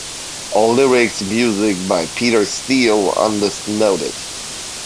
All lyrics and music by Peter Steele, unless noted.